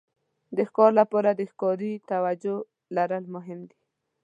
د ښکار لپاره د ښکاري توجو لرل مهم دي.